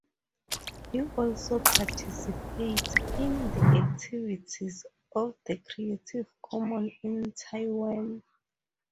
He also participates in the activities of the Creative Commons in Taiwan.